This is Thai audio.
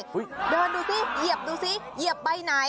เดินดูสิเหยียบดูสิเหยียบใบไหน